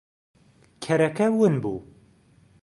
کەرەکە ون بوو.